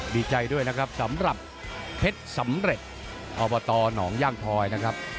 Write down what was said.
ดีใจด้วยนะครับสำหรับเพชรสำเร็จอบตหนองย่างทอยนะครับ